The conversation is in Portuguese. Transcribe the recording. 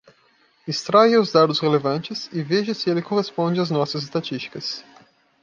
Extraia os dados relevantes e veja se ele corresponde às nossas estatísticas.